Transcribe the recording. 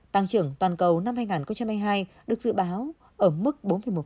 tăng trưởng toàn cầu năm hai nghìn hai mươi hai được dự báo ở mức bốn một